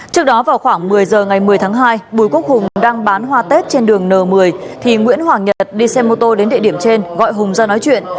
trước đó vào khoảng một mươi giờ ngày một mươi tháng hai bùi quốc hùng đang bán hoa tết trên đường n một mươi thì nguyễn hoàng nhật đi xe mô tô đến địa điểm trên gọi hùng ra nói chuyện